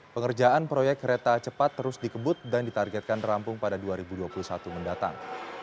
pengerjaan proyek kereta cepat terus dikebut dan ditargetkan rampung pada dua ribu dua puluh satu mendatang